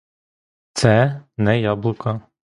Це — не яблука.